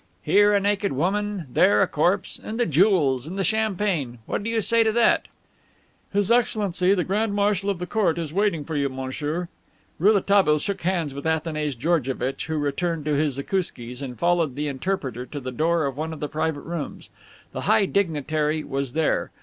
Here, a naked woman; there, a corpse! And the jewels and the champagne! What do you say to that?" * The Russian national anthem. "His Excellency the Grand Marshal of the Court is waiting for you, Monsieur." Rouletabille shook hands with Athanase Georgevitch, who returned to his zakouskis, and followed the interpreter to the door of one of the private rooms. The high dignitary was there.